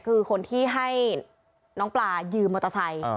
คือคนที่ให้น้องปลายืมมอเตอร์ไซค์